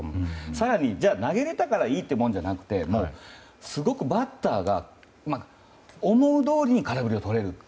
更に投げられたからいいというわけではなくてすごくバッターが思うどおりに空振りをとれる。